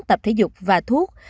tập thể dục và thuốc